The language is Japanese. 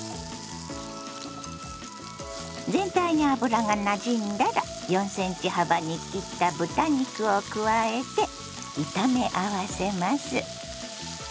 全体に油がなじんだら４ｃｍ幅に切った豚肉を加えて炒め合わせます。